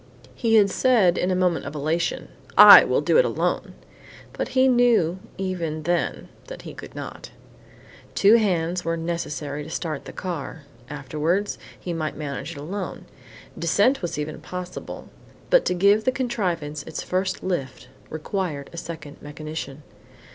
He had said in a moment of elation, "I will do it alone;" but he knew even then that he could not. Two hands were necessary to start the car; afterwards, he might manage it alone. Descent was even possible, but to give the contrivance its first lift required a second mechanician.